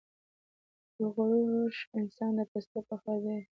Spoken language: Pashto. د غرور روش انسان د پستۍ په خوا بيايي.